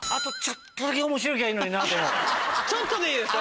ちょっとでいいですか？